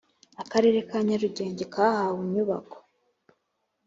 akarere ka nyarugenge kahawe inyubako